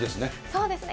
そうですね。